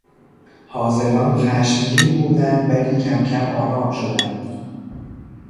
حاضران خشمگین بودند ولی کمکم آرام شدند.